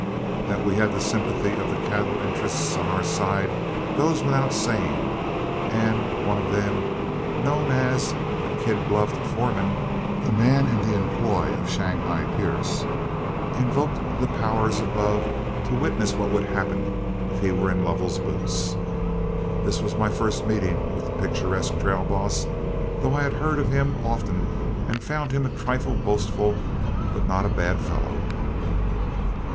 That we had the sympathy of the cattle interests on our side goes without saying, and one of them, known as "the kidgloved foreman," a man in the employ of Shanghai Pierce, invoked the powers above to witness what would happen if he were in Lovell's boots. This was my first meeting with the picturesque trail boss, though I had heard of him often and found him a trifle boastful but not a bad fellow.